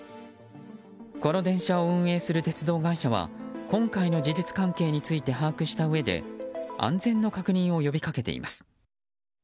この電車を運営する鉄道会社は今回の事実関係について把握したうえで安全の確認を呼び掛けています。